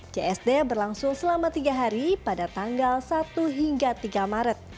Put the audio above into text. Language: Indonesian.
csd berlangsung selama tiga hari pada tanggal satu hingga tiga maret